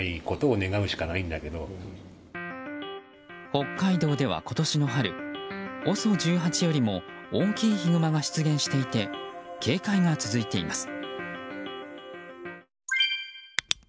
北海道では、今年の春ＯＳＯ１８よりも大きいヒグマが出現していて警戒が続いています。